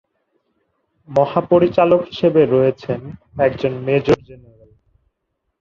মহাপরিচালক হিসেবে রয়েছেন একজন মেজর জেনারেল।